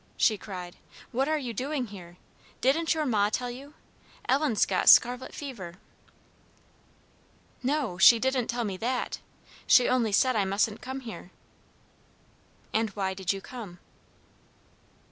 she cried, "what are you doing here? Didn't your ma tell you? Ellen's got scarlet fever." "No, she didn't tell me that. She only said I mustn't come here." "And why did you come?"